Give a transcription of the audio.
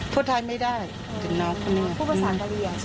พูดภาษาการเรียง